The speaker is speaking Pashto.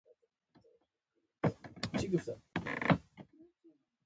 سیده ځو چاردرې ولسوالۍ ته.